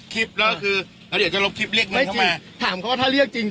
คลิปแล้วก็คือแล้วเดี๋ยวจะลบคลิปเรียกมาไม่จริงถามเขาว่าถ้าเรียกจริง